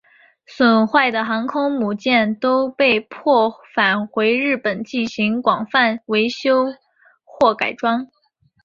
损坏的航空母舰都被迫返回日本进行广泛维修和改装。